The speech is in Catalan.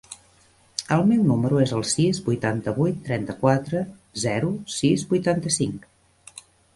El meu número es el sis, vuitanta-vuit, trenta-quatre, zero, sis, vuitanta-cinc.